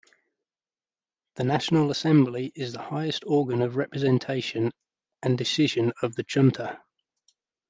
The National Assembly is the highest organ of representation and decision of the Chunta.